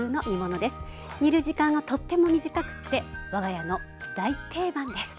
煮る時間がとっても短くって我が家の大定番です。